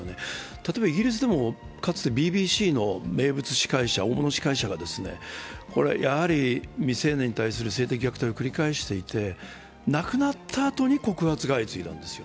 例えばイギリスでもかつてＢＢＣの大物司会者がやはり未成年に対する性的虐待を繰り返していて亡くなったあとに告発が相次いだんですよ。